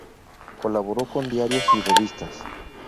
Colaboró con diarios y revistas.